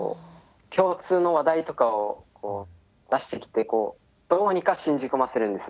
共通の話題とかを出してきてどうにか信じ込ませるんです。